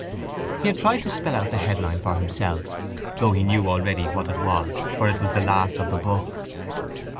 He had tried to spell out the headline for himself though he knew already what it was for it was the last of the book.